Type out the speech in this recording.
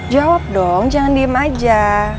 jawab dong jangan diem aja